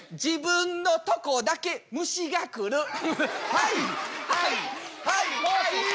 はいはいはいはい！